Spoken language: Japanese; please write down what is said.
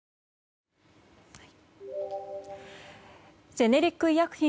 ジェネリック医薬品